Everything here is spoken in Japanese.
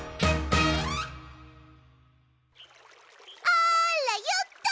あらよっと！